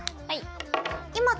はい。